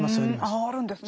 あああるんですね。